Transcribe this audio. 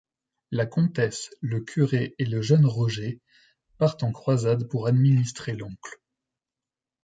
La comtesse, le curé et le jeune Roger partent en croisade pour administrer l'oncle.